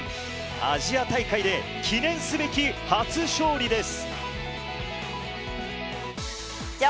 アジア大会で記念すべき初勝利です。